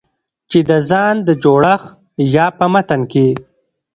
چې د ځان د جوړښت يا په متن کې